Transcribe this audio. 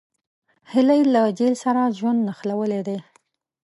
هیلۍ له جهیل سره ژوند نښلولی دی